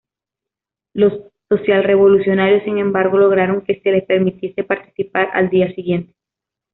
Los socialrevolucionarios, sin embargo, lograron que se les permitiese participar al día siguiente.